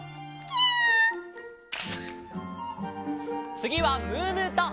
つぎはムームーと！